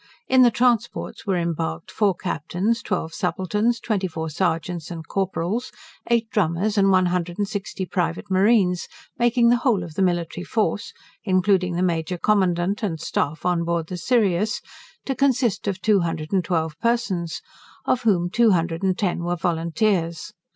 In the transports were embarked four captains, twelve subalterns, twenty four serjeants and corporals, eight drummers, and one hundred and sixty private marines, making the whole of the military force, including the Major Commandant and Staff on board the Sirius, to consist of two hundred and twelve persons, of whom two hundred and ten were volunteers.